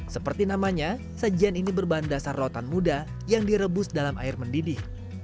seperti namanya sajian ini berbahan dasar rotan muda yang direbus dalam air mendidih